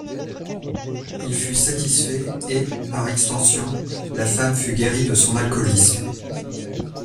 Il fut satisfaisait et, par extension, la femme fut guérie de son alcoolisme.